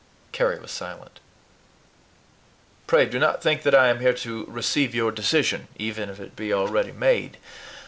Carry was silent. "Pray do not think that I am here to receive your decision, even if it be already made.